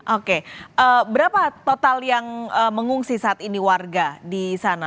oke berapa total yang mengungsi saat ini warga di sana